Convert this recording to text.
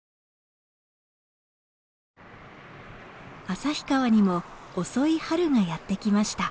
旭川にも遅い春がやってきました。